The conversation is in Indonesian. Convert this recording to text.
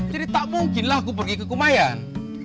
jadi tak mungkinlah aku pergi ke kumayan